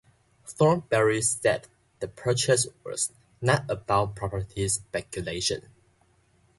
Thornberry said the purchase was "not about property speculation".